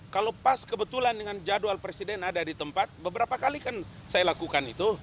kalau pas kebetulan dengan jadwal presiden ada di tempat beberapa kali kan saya lakukan itu